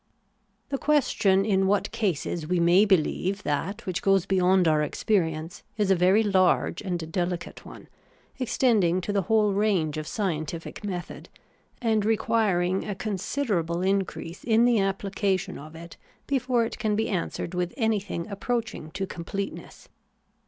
The question in what cases we may beheve that which goes beyond our experience, is a very large and delicate one, extending to the whole range of scientific method, and requiring a considerable increase in the application of it before it can be answered with anything approaching to completeness.